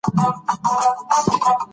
زړونه چې راژوندي سول، د غازیانو وو.